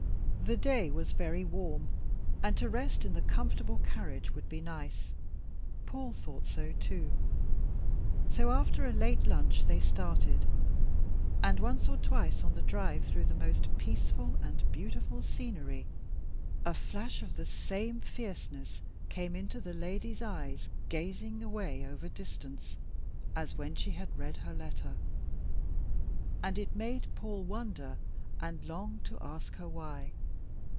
The day was very warm, and to rest in the comfortable carriage would be nice. Paul thought so, too. So after a late lunch they started. And once or twice on the drive through the most peaceful and beautiful scenery, a flash of the same fierceness came into the lady's eyes, gazing away over distance as when she had read her letter, and it made Paul wonder and long to ask her why.